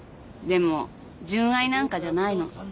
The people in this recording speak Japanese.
でも純愛なんかじゃないの。